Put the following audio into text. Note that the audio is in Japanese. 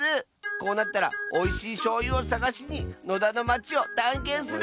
こうなったらおいしいしょうゆをさがしに野田のまちをたんけんするッス！